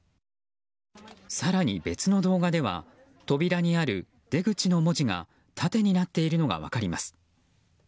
更に別の動画には扉にある「出口」の文字が縦になっているのが分かります。